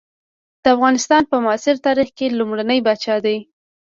د افغانستان په معاصر تاریخ کې لومړنی پاچا دی.